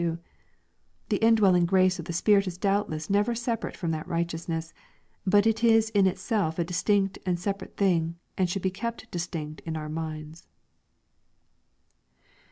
The indwelling grace of the Spirit is doubtless never separate from that righteousness. But it is in itself a distinct and separate thing, and should be kept dis tinct in our minds.